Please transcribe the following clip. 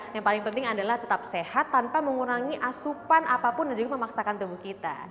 yang paling penting adalah tetap sehat tanpa mengurangi asupan apapun dan juga memaksakan tubuh kita